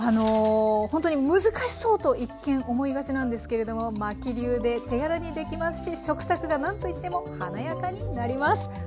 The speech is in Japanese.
ほんとに難しそうと一見思いがちなんですけれどもマキ流で手軽にできますし食卓がなんと言っても華やかになります。